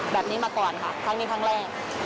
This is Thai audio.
แบบนี้มาก่อนค่ะครั้งนี้ครั้งแรก